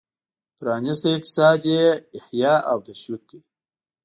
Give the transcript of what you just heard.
پرانیستی اقتصاد یې حیه او تشویق کړ.